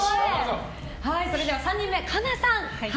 それでは３人目、カナさん。